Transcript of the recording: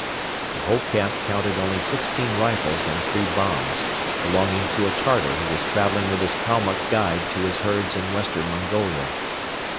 The whole camp counted only sixteen rifles and three bombs, belonging to a Tartar who was traveling with his Kalmuck guide to his herds in Western Mongolia.